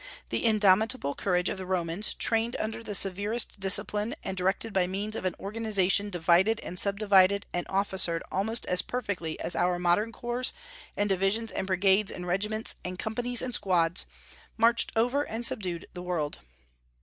The indomitable courage of the Romans, trained under severest discipline and directed by means of an organization divided and subdivided and officered almost as perfectly as our modern corps and divisions and brigades and regiments and companies and squads, marched over and subdued the world.